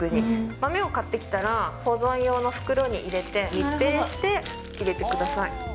豆を買ってきたら、保存用の袋に入れて、密閉して入れてください。